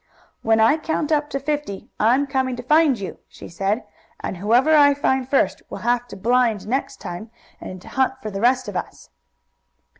"When I count up to fifty, I'm coming to find you," she said, "and whoever I find first will have to blind next time, and hunt for the rest of us."